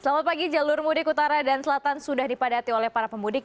selamat pagi jalur mudik utara dan selatan sudah dipadati oleh para pemudik